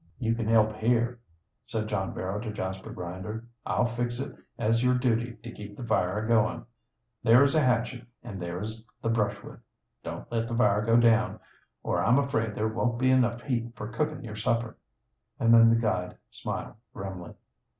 "You can help here," said John Barrow to Jasper Grinder. "I'll fix it as your duty to keep the fire a goin'. There is a hatchet and there is the brushwood. Don't let the fire go down, or I'm afraid there won't be enough heat for cooking your supper." And the guide smiled grimly.